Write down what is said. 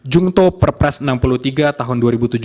jungto perpres enam puluh tiga tahun dua ribu tujuh belas